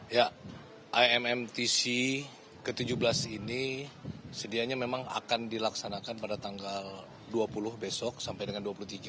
ya immtc ke tujuh belas ini sedianya memang akan dilaksanakan pada tanggal dua puluh besok sampai dengan dua puluh tiga